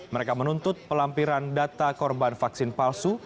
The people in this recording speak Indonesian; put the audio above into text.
mereka menuntut pelampiran data korban vaksin palsu